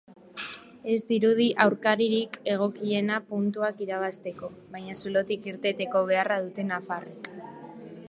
Ez dirudi aurkaririk egokiena puntuak irabazteko, baina zulotik irteteko beharra dute nafarrek.